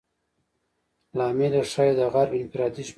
لامل یې ښایي د غرب انفرادي ژوند وي.